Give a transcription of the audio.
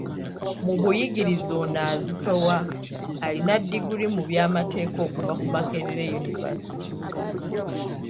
Mu buyigirize ono azitowa, alina ddiguli mu by’amateeka okuva ku Makerere University.